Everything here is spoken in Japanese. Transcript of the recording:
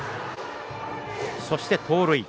そして、盗塁。